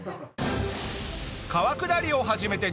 川下りを始めて２カ月。